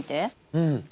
うん。